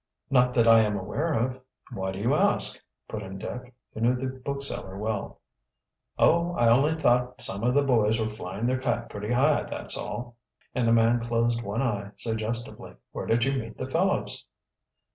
"Not that I am aware of." "Why do you ask?" put in Dick, who knew the bookseller well. "Oh, I only thought some of the boys were flying their kite pretty high, that's all," and the man closed one eye suggestively. "Where did you meet the fellows?"